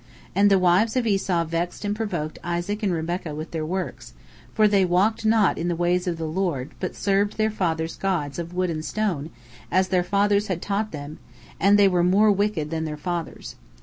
And the wives of Esau vexed and provoked Isaac and Rebekah with their works, for they walked not in the ways of the Lord, but served their fathers' gods of wood and stone, as their fathers had taught them, and they were more wicked than their fathers.